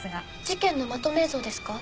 事件のまとめ映像ですか？